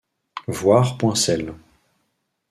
Voir Point selle.